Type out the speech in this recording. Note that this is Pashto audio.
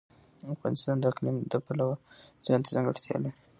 افغانستان د اقلیم د پلوه ځانته ځانګړتیا لري.